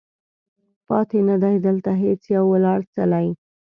پاتې نه دی، دلته هیڅ یو ولاړ څلی